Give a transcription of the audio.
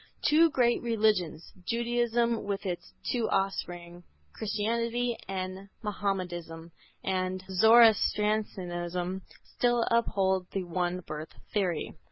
Two great religions, Judaism with its two offspring Christianity and Mahomedanism and Zoroastrianism, still uphold the one birth theory.